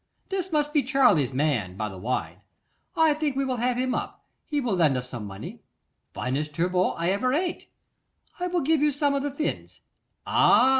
This must be Charley's man, by the wine. I think we will have him up; he will lend us some money. Finest turbot I ever ate! I will give you some of the fins. Ah!